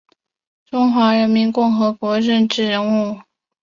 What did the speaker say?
中华人民共和国政治人物。